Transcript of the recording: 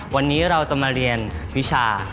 วันนี้เราจะมาเรียนวิชา